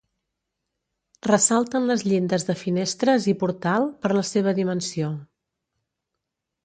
Ressalten les llindes de finestres i portal per la seva dimensió.